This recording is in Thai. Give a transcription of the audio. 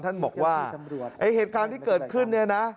ท่านบอกว่าเหตุการณ์ที่เกิดขึ้น